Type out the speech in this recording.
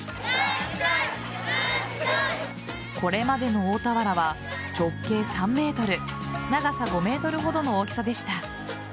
これまでの大俵は直径３ｍ高さ５ｍほどの大きさでした。